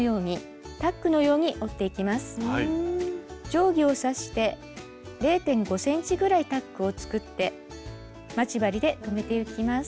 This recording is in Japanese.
定規をさして０．５ｃｍぐらいタックを作って待ち針で留めてゆきます。